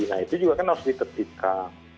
nah itu juga harus diterbitkan